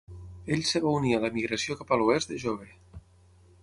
Ell es va unir a l'emigració cap a l'oest de jove.